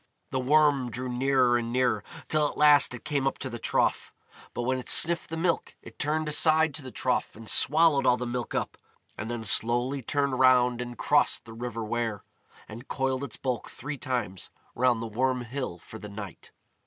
The Worm drew nearer and nearer, till at last it came up to the trough. But when it sniffed the milk, it turned aside to the trough and swallowed all the milk up, and then slowly turned round and crossed the river Wear, and coiled its bulk three times round the Worm Hill for the night.